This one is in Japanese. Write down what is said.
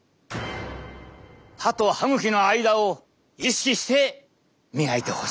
「歯と歯ぐきのあいだ」を意識して磨いてほしい！